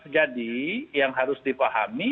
jadi yang harus dipahami